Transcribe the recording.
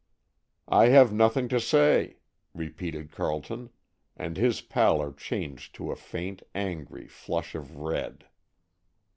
"I have nothing to say," repeated Carleton, and his pallor changed to a faint, angry flush of red.